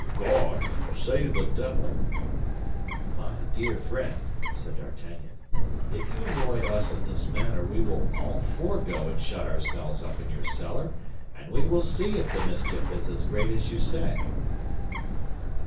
"God? Say the devil!" "My dear friend," said D'Artagnan, "if you annoy us in this manner we will all four go and shut ourselves up in your cellar, and we will see if the mischief is as great as you say."